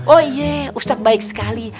oh iya ustadz baik sekali